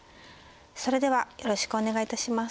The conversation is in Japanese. それではよろしくお願いいたします。